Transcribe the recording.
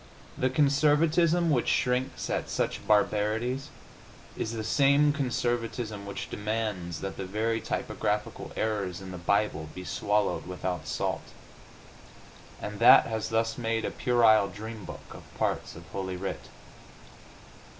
The conservatism which shrinks at such barbarities is the same conservatism which demands that the very typographical errors in the Bible be swallowed without salt, and that has thus made a puerile dream book of parts of Holy Writ.